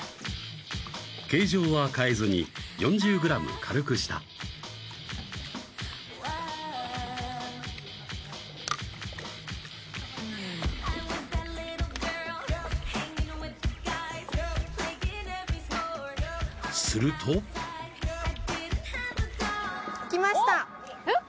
形状は変えずに４０ｇ軽くしたするときましたえっ？